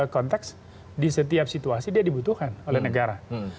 konteks di setiap situasi dia dibutuhkan oleh negara